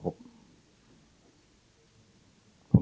ผมถามว่าเพราะยังไงครับ